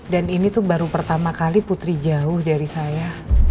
dan ini tuh baru pertama kali putri jauh dari saya